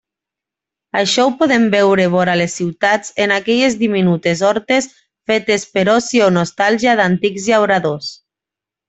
Això ho podem veure vora les ciutats en aquelles diminutes hortes fetes per oci o nostàlgia d'antics llauradors.